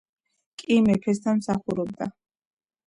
კი მეფესთან მსახურობდა